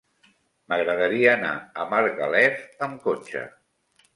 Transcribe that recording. M'agradaria anar a Margalef amb cotxe.